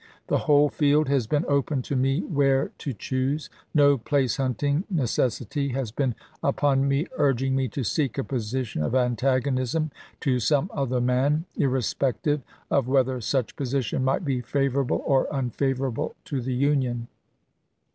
The whole field has been open to me where to choose. No place hunting necessity has been upon me urging me to seek a position of antagonism to some other man, irrespective of whether such position might be favorable or unfavorable to the Union.